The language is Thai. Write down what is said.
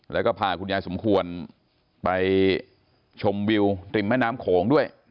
แล้วก็พาคุณยายสมควรไปชมวิวริมแม่น้ำโขงด้วย